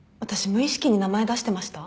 無意識に名前出してました？